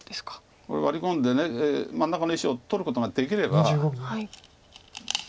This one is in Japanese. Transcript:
これワリ込んで真ん中の石を取ることができれば。